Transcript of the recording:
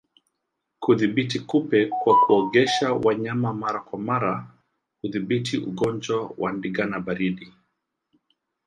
Kudhibiti kupe kwa kuogesha wanyama mara kwa mara hudhibiti ugonjwa wa ndigana baridi